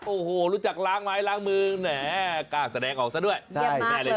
โอ้โหรู้จักล้างไม้ล้างมือน่ะกล้าแสดงออกซะด้วยเลี่ยมมากเลยได้แน่เลย